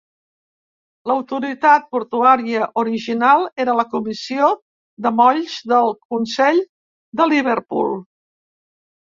L'autoritat portuària original era la Comissió de molls del Consell de Liverpool.